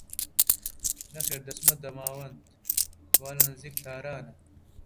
نەخێر دەچمە دەماوەند وا لە نیزیک تارانە